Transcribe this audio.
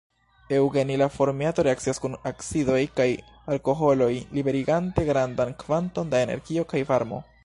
Eŭgenila formiato reakcias kun acidoj kaj alkoholoj liberigante grandan kvanton da energio kaj varmo.